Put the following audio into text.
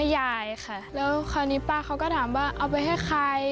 ยายเดินไม่ได้มา๑๐ปีแล้ว